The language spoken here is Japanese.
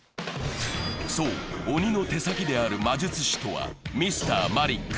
そう、鬼の手先である魔術師とはＭｒ．マリック。